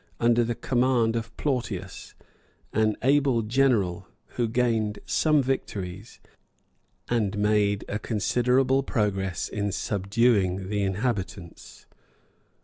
43,] under the command of Plautius, an able general, who gained some victories, and made a considerable progress in subduing the inhabitants.